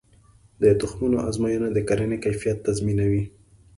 د تخمونو ازموینه د کرنې کیفیت تضمینوي.